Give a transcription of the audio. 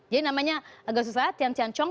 jadi namanya agak susah tian tian chong